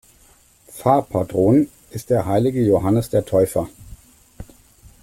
Pfarrpatron ist der heilige Johannes der Täufer.